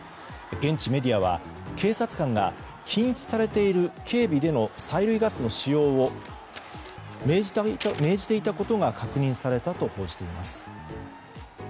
現地メディアは警察官が禁止されている警備での催涙ガスの使用を命じていたことが確認されたと報じています。